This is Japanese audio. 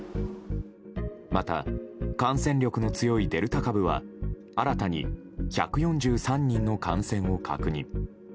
また、感染力の強いデルタ株は新たに１４３人の感染を確認。